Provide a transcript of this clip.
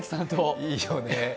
いいよね。